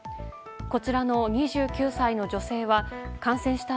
こちらの２９歳の女性は感染した